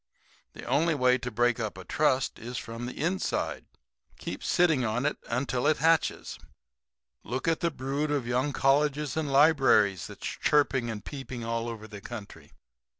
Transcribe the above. The only way to break up a trust is from the inside. Keep sitting on it until it hatches. Look at the brood of young colleges and libraries that's chirping and peeping all over the country.